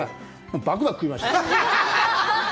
バクバク食いました。